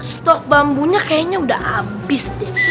stok bambunya kayaknya udah habis deh